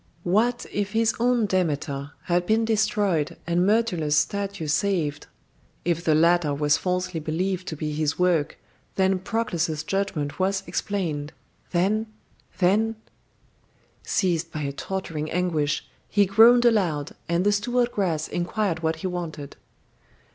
What if his own Demeter had been destroyed and Myrtilus's statue saved? If the latter was falsely believed to be his work, then Proclus's judgment was explained then then Seized by a torturing anguish, he groaned aloud, and the steward Gras inquired what he wanted.